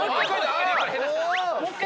もう１回。